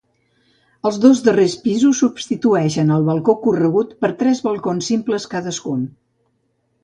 Els dos darrers pisos substitueixen el balcó corregut per tres balcons simples cadascun.